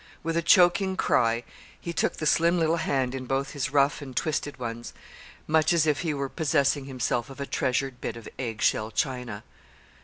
With a choking cry he took the slim little hand in both his rough and twisted ones much as if he were possessing himself of a treasured bit of eggshell china.